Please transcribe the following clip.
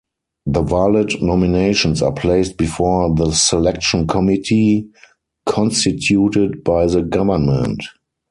The valid nominations are placed before the selection committee constituted by the Government.